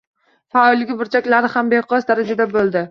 Fan oyligi burchaklari ham beqiyos darjada bo‘ldi.